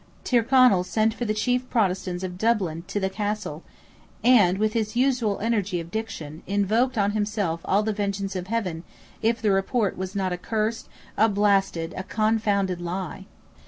Tyrconnel sent for the chief Protestants of Dublin to the Castle, and, with his usual energy of diction, invoked on himself all the vengeance of heaven if the report was not a cursed, a blasted, a confounded lie.